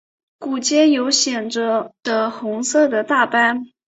股间有显着的红棕色的大斑。